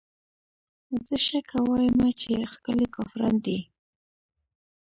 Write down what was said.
زه شکه وايمه چې ښکلې کافران دي